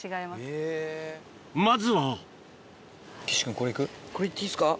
まずはこれいっていいですか？